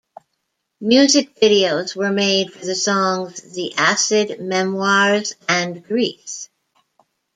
Music videos were made for the songs "The Acid Memoirs" and "Grease".